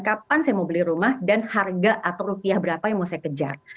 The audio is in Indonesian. kapan saya mau beli rumah dan harga atau rupiah berapa yang mau saya kejar